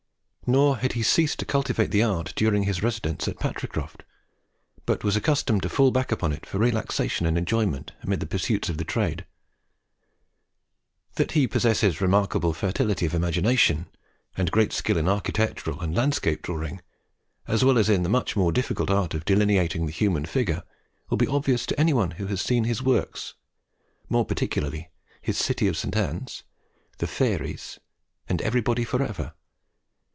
Nor had he ceased to cultivate the art during his residence at Patricroft, but was accustomed to fall back upon it for relaxation and enjoyment amid the pursuits of trade. That he possesses remarkable fertility of imagination, and great skill in architectural and landscape drawing, as well as in the much more difficult art of delineating the human figure, will be obvious to any one who has seen his works, more particularly his "City of St. Ann's," "The Fairies," and "Everybody for ever!"